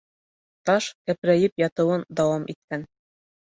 Таш кәпрәйеп ятыуын дауам иткән.